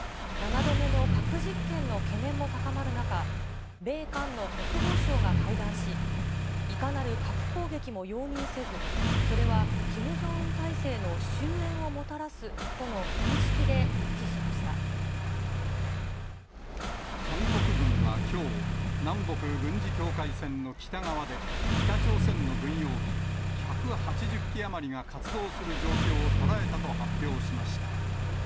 ７度目の核実験の懸念も高まる中、米韓の国防相が会談し、いかなる核攻撃も容認せず、それはキム・ジョンウン体制の終えんをもたらすとの認識で一致し韓国軍はきょう、南北軍事境界線の北側で、北朝鮮の軍用機１８０機余りが活動する状況を捉えたと発表しました。